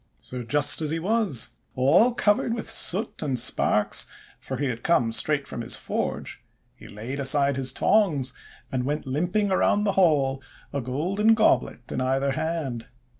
So just as he was, all covered with soot and sparks, for he had come straight from his forge, he laid aside his tongs, and went limping around the hall, a golden goblet in either hand.